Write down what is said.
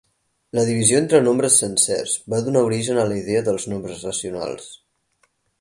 La divisió entre nombres sencers va donar origen a la idea dels nombres racionals.